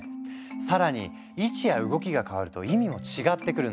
さらに位置や動きが変わると意味も違ってくるの。